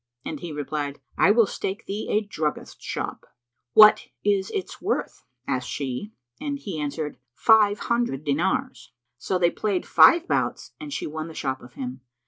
and he replied, "I will stake thee a druggist's shop." "What is its worth?" asked she; and he answered, "Five hundred dinars." So they played five bouts and she won the shop of him.